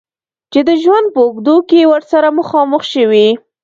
چې د ژوند په اوږدو کې ورسره مخامخ شوی.